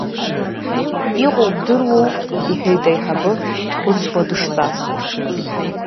Иҟоу бдыруоу, — иҳәеит аиҳабы, дхәыцуа дыштәаз.